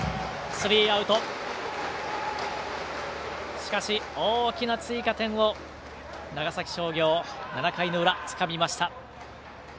しかし、大きな追加点を長崎商業７回の裏につかみました。